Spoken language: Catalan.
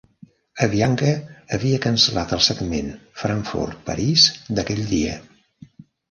Avianca havia cancel·lat el segment Frankfurt-París d'aquell dia.